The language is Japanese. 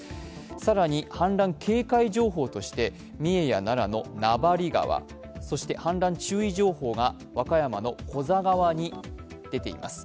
更に、氾濫警戒情報として、三重や奈良の名張川、そして氾濫注意情報が和歌山の古座川に出ています。